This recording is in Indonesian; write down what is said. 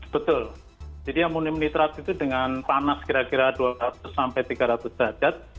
betul jadi amonium nitrat itu dengan panas kira kira dua ratus sampai tiga ratus derajat